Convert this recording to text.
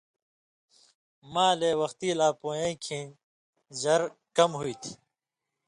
مالے وختی لا پویائ کھیں ژر کم ہوتھی۔